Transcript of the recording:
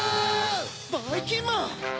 ばいきんまん！